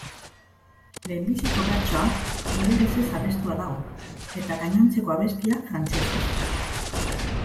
Lehenbiziko bertsoa ingelesez abestua dago eta gainontzeko abestia frantsesez.